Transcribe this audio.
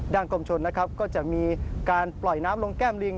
ด้านกรมชนก็จะมีการปล่อยน้ำลงแก้มลิง